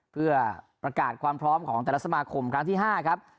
เพื่อประกาศความพร้อมของแต่ละสมาคมครั้งที่๕ครับ